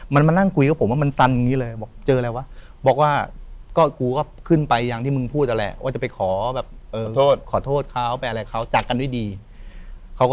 มันมานั่งคุยกับผมว่ามันสันอย่างนี้เลยบอกเจออะไรวะ